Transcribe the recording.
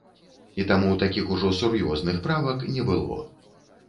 І таму такіх ужо сур'ёзных правак не было.